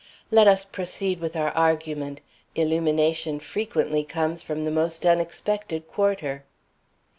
"Let us proceed with our argument. Illumination frequently comes from the most unexpected quarter."